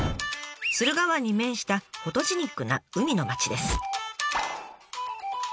駿河湾に面したフォトジェニックな海の町です。